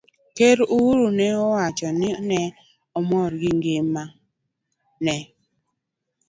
Ker Uhuru ne owacho ni ne omor gi gima ne